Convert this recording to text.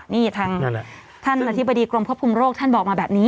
นี่ทางท่านอธิบดีกรมควบคุมโรคท่านบอกมาแบบนี้